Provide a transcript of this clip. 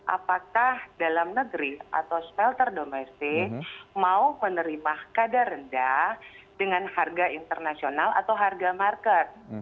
apakah dalam negeri atau smelter domestik mau menerima kadar rendah dengan harga internasional atau harga market